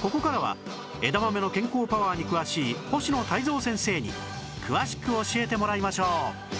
ここからは枝豆の健康パワーに詳しい星野泰三先生に詳しく教えてもらいましょう